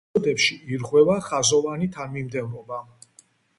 ეპიზოდებში ირღვევა ხაზოვანი თანმიმდევრობა.